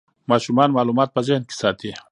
ماشومان معلومات په ذهن کې ساتي.